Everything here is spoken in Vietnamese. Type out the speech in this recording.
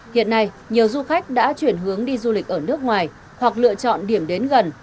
hiện nay nhiều du khách đã chuyển hướng đi du lịch ở nước ngoài hoặc lựa chọn điểm đến gần